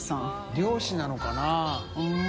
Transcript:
猟師なのかな？